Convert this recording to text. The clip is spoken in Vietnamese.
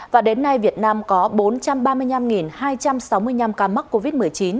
và đến nay việt nam có bốn trăm ba mươi năm hai trăm sáu mươi năm ca mắc covid một mươi chín